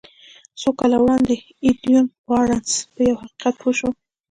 څو کاله وړاندې ايډوين بارنس په يوه حقيقت پوه شو.